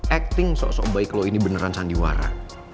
acting sok sok baik lo ini beneran sandiwara